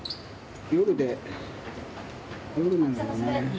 夜で、夜なんだよね。